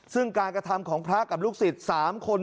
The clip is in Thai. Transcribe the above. ซึ่งการกระทำของพระกับลูกศิษย์๓คน